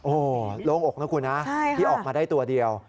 โอ้โหโล่งอกนะคุณนะที่ออกมาได้ตัวเดียว